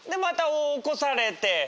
また起こされて。